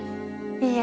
いいえ。